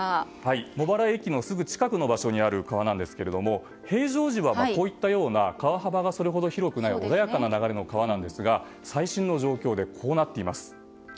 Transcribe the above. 茂原駅のすぐ近くの場所にある川なんですが平常時はこういったような川原がそんなに広くない穏やかな流れの川ですが最新の状況でこうなっています。